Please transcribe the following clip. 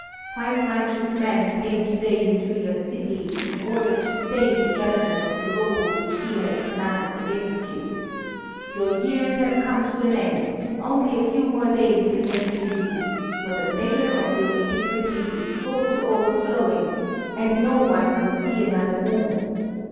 Five righteous men came to day into your city in order to stay the judgment of the Lord which He has pronounced against you. Your years have come to an end, only a few more days remain to you, for the measure of your iniquities is full to overflowing, and no one will see another moon.